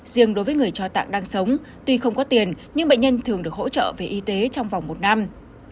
riêng đối với người cho tạng đang sống tuy không có tiền nhưng bệnh nhân thường được hỗ trợ về y tế trong vòng một năm